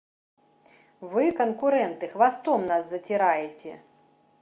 Вы, канкурэнты, хвастом нас заціраеце!